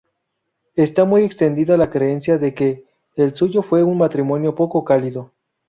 Está muy extendida la creencia de que el suyo fue un matrimonio poco cálido.